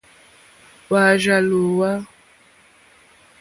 Hwá àrzà lǒhwà.